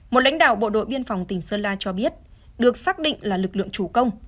một lãnh đạo bộ đội biên phòng tỉnh sơn la cho biết được xác định là lực lượng chủ công